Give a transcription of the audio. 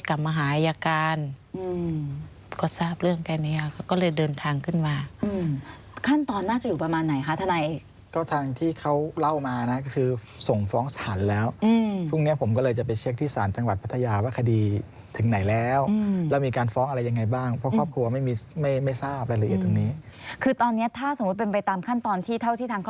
กลับมาหาอายการอืมก็ทราบเรื่องแค่เนี้ยเขาก็เลยเดินทางขึ้นมาอืมขั้นตอนน่าจะอยู่ประมาณไหนคะทนายก็ทางที่เขาเล่ามานะก็คือส่งฟ้องศาลแล้วอืมพรุ่งเนี้ยผมก็เลยจะไปเช็คที่ศาลจังหวัดพัทยาว่าคดีถึงไหนแล้วแล้วมีการฟ้องอะไรยังไงบ้างเพราะครอบครัวไม่มีไม่ไม่ทราบรายละเอียดตรงนี้คือตอนเนี้ยถ้าสมมุติเป็นไปตามขั้นตอนที่เท่าที่ทางค